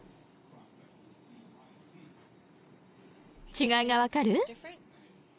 違いが分かる？